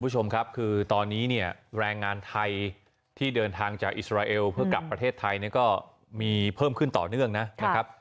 คุณผู้ชมครับคือตอนนี้เนี่ยแรงงานไทยที่เดินทางจากอิสราเอลเพื่อกลับประเทศไทยเนี่ยก็มีเพิ่มขึ้นต่อเนื่องนะครับ